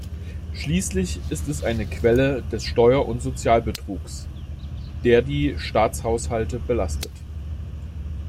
Schließlich ist es eine Quelle des Steuer- und Sozialbetrugs, der die Staatshaushalte belastet.